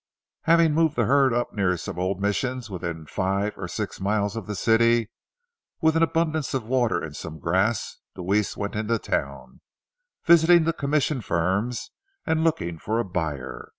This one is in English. Having moved the herd up near some old missions within five or six miles of the city, with an abundance of water and some grass, Deweese went into town, visiting the commission firms and looking for a buyer.